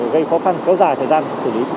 gây khó khăn kéo dài thời gian xử lý